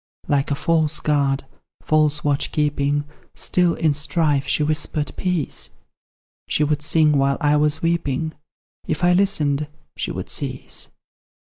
Like a false guard, false watch keeping, Still, in strife, she whispered peace; She would sing while I was weeping; If I listened, she would cease.